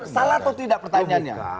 salah atau tidak pertanyaannya